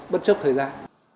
bất chấp thời gian